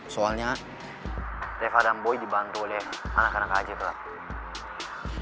soalnya reva dan boy dibantu oleh anak anak aja pak